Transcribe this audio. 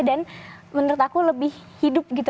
dan menurut aku lebih hidup gitu